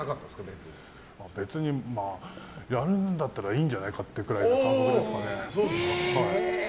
別にやるんだったらいいんじゃないかっていうくらいの感覚ですかね。